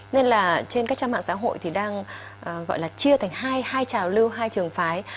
nên là trên các trang mạng xã hội thì đang gọi là chia thành hai hai trào lưu hai trường phái